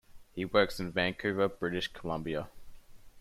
He works in Vancouver, British Columbia.